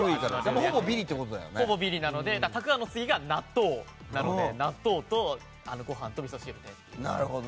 ほぼビリなのでたくあんの次が納豆なので納豆とごはんとみそ汁です。